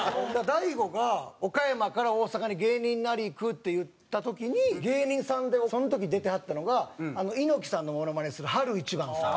大悟が岡山から大阪に芸人になりにいくって言った時に芸人さんでその時出てはったのが猪木さんのモノマネする春一番さん。